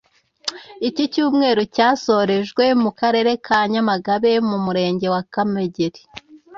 Iki cyumweru cyasorejwe mu karere ka Nyamagabe mu murenge wa Kamegeri